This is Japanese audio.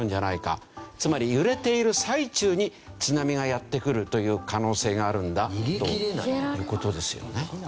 つまり揺れている最中に津波がやって来るという可能性があるんだという事ですよね。